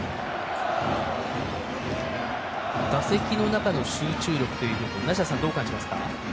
打席の中の集中力、梨田さんはどう感じますか？